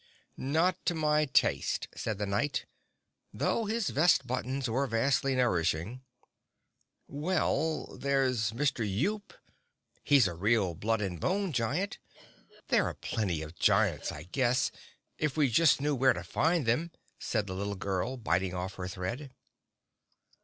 "Not to my taste," said the Knight, "though his vest buttons were vastly nourishing." "Well, there's Mr. Yoop—he's a real blood and bone giant. There are plenty of giants, I guess, if we knew just where to find them!" said the little girl, biting off her thread.